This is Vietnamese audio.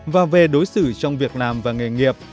và về đối xử trong việc làm và nghề nghiệp